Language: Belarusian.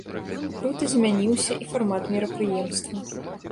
Крута змяніўся і фармат мерапрыемства.